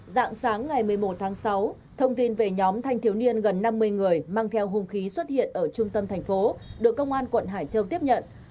dạng sáng ngày một mươi một tháng sáu thông tin về nhóm thanh thiếu niên gần năm mươi người mang theo hung khí xuất hiện ở trung tâm thành phố được công an quận hải châu tiếp nhận